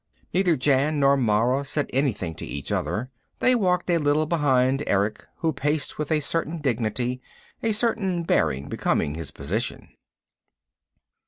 Neither Jan nor Mara said anything to each other. They walked a little behind Erick, who paced with a certain dignity, a certain bearing becoming his position.